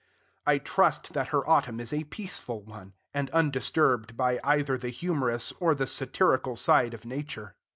I trust that her autumn is a peaceful one, and undisturbed by either the humorous or the satirical side of Nature.